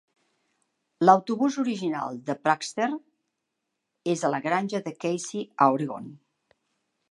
L'autobús original de Prankster és a la granja de Kesey, a Oregon.